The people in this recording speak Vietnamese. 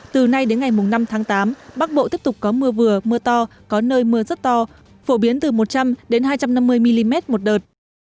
từ nay đến ngày năm tháng tám bắc bộ tiếp tục có mưa vừa mưa to có nơi mưa rất to phổ biến từ một trăm linh hai trăm năm mươi mm một đợt